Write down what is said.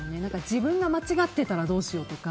自分が間違ってたらどうしようとか。